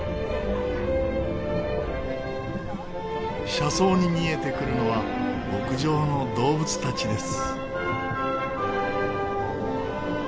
車窓に見えてくるのは牧場の動物たちです。